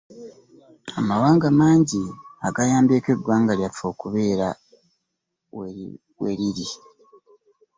Amawanga mangi agayambyeko eggwanga lyaffe okubeera nga weriri.